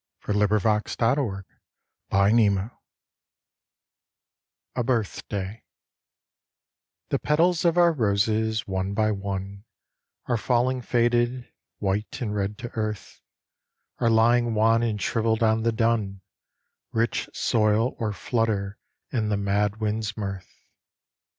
33 t> IN THE NET OF THE STARS A Birthday THE petals of our roses, one by one, Are falling faded, white and red, to earth Are lying wan and shrivelled on the dun, Rich soil, or nutter in the mad wind's mirth.